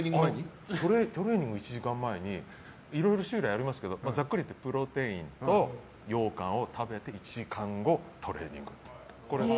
トレーニングの１時間前にいろいろ種類ありますけどざっくり言ってプロテインと、ようかんを食べて１時間後、トレーニング。